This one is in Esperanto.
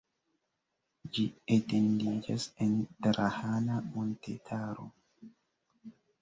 Ĝi etendiĝas en Drahana montetaro.